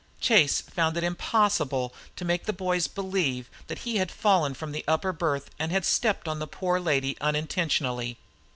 Chase found it impossible to make the boys believe that he had fallen from the upper berth and had stepped on the poor lady unintentionally.